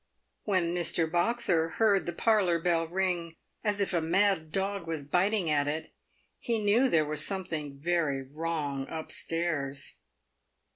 "When Mr. Boxer heard the parlour bell ring as if a mad dog was biting at it, he knew there was some thing very wrong up stairs.